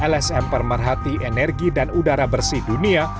lsm pemerhati energi dan udara bersih dunia